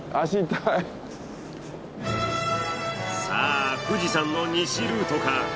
さあ富士山の西ルートか？